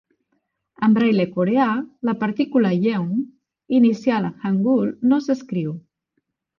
En braille coreà, la partícula "ieung" inicial en hangul no s'escriu.